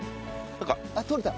あっ取れた。